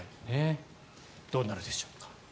どうなるでしょうか。